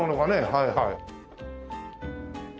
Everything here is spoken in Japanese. はいはい。